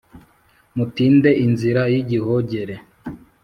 Mutinde inzira y igihogere